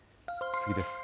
次です。